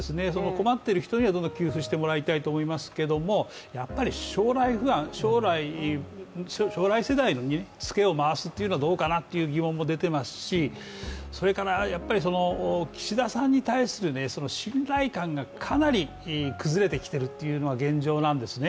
困っている人にはどんどん給付してもらいたいなとは思いますけどやっぱり将来不安、将来世代にツケを回すというのはどうかなという疑問も出ていますしそれからやっぱり岸田さんに対する信頼感がかなり崩れてきているというのが現状なんですね。